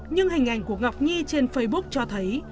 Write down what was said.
nhưng hình ảnh của ngọc nhi trên facebook cho thấy